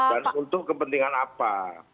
dan untuk kepentingan apa